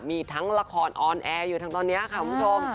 มีทั้งละครออนแอร์อยู่ทั้งตอนนี้ค่ะคุณผู้ชม